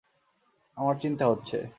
আমার চিন্তা হচ্ছে।